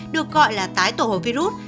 được gọi là tái tổ hợp virus